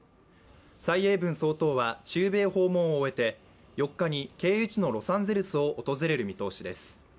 蔡英文総統は中米訪問を終えて４日に経由地のロサンゼルスを訪れる見通しです。